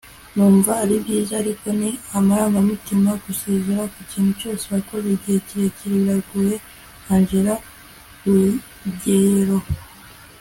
numva ari byiza ariko ni amarangamutima gusezera ku kintu cyose wakoze igihe kirekire biragoye - angela ruggiero